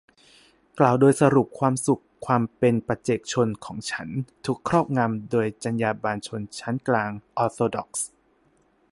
กล่าวโดยสรุปความสุขความเป็นปัจเจกชนของฉันถูกครอบงำโดยจรรยาบรรณชนชั้นกลางออร์โธดอกซ์